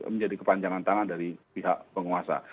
menjadi kepanjangan tangan dari pihak penguasa